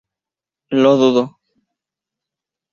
Lo dudo.